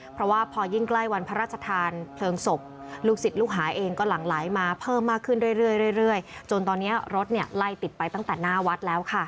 เพราะว่าพอยิ่งใกล้วันพระราชทานเพลิงศพลูกศิษย์ลูกหาเองก็หลั่งไหลมาเพิ่มมากขึ้นเรื่อยจนตอนนี้รถไล่ติดไปตั้งแต่หน้าวัดแล้วค่ะ